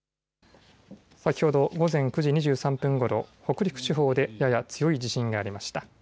先ほど午前９時２３分ごろ、北陸地方でやや強い地震がありました。